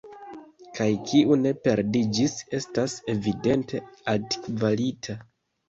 Kaj kiu ne perdiĝis, estas evidente altkvalita.